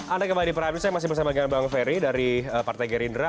anda kembali di prime news saya masih bersama dengan bang ferry dari partai gerindra